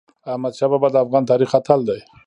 احمدشاه بابا د افغان تاریخ اتل دی.